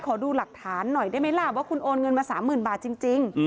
ขอดูหลักฐานหน่อยได้ไหมล่ะว่าคุณโอนเงินมา๓๐๐๐บาทจริง